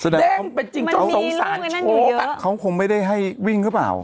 เด้งไปจริงจนสงสารโชคเขาคงไม่ได้ให้วิ่งหรือเปล่า